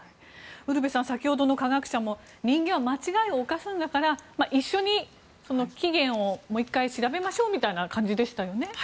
ウルヴェさん先ほどの科学者も人間は間違いを犯すんだから一緒に起源をもう１回調べましょうみたいな感じでしたよね。